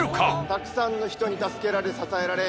「たくさんの人に助けられ支えられ」